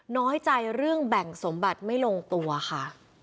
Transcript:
น้อยใจเรื่องแบ่งสมบัติไม่ลงตัวค่ะ